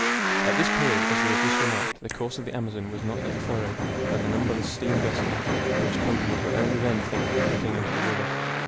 At this period, as we have just remarked, the course of the Amazon was not yet furrowed by the numberless steam vessels, which companies were only then thinking of putting into the river.